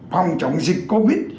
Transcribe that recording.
phòng chống dịch covid